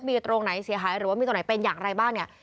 มีตรงไหนเสียหายหรือว่ามีตรงไหนเป็นอย่างไรบ้างเนี่ย